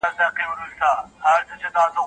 ناګهانه یې د بخت کاسه چپه سوه